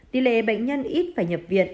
tỷ lệ bệnh nhân ít phải nhập viện